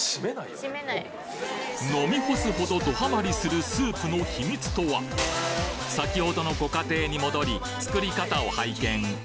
飲み干すほどどハマりする先ほどのご家庭に戻り作り方を拝見。